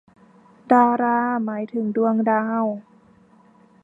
ดารา หมายถึงดวงดาว